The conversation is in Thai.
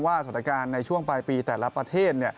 สถานการณ์ในช่วงปลายปีแต่ละประเทศ